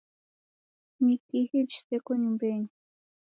Ni kihi chiseko nyumbenyi?